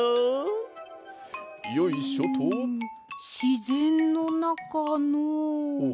よいしょと。んしぜんのなかの。